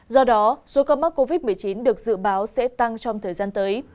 do đó số ca mắc covid một mươi chín được dự báo sẽ tăng trong thời gian tới